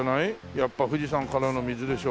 やっぱ富士山からの水でしょ